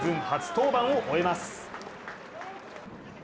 初登板を終えます。